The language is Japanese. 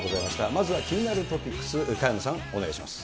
まずは気になるトピックス、萱野さん、お願いします。